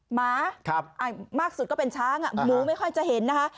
หมามากสุดก็เป็นช้างหมูไม่ค่อยจะเห็นนะคะ